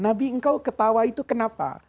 nabi engkau ketawa itu kenapa